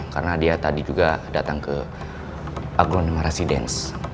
karena dia tadi juga datang ke aglone residence